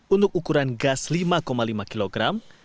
untuk ukuran gas lima lima kilogram